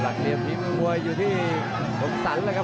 หลักเหลี่ยมทิ้งมือมวยอยู่ที่คมสัตว์แล้วครับ